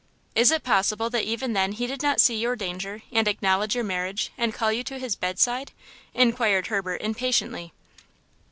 "Is it possible that even then he did not see your danger and acknowledge your marriage and call you to his bedside?" inquired Herbert, impatiently.